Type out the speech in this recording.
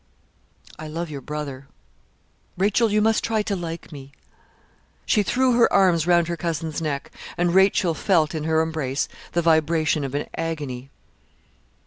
I love your brother. Rachel, you must try to like me.' She threw her arms round her cousin's neck, and Rachel felt in her embrace the vibration of an agony.